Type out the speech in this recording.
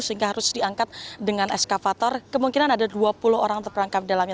sehingga harus diangkat dengan eskavator kemungkinan ada dua puluh orang terperangkap di dalamnya